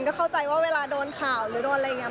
ก็เข้าใจว่าเวลาโดนข่าวหรือโดนอะไรอย่างนี้